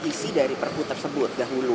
isi dari perpu tersebut dahulu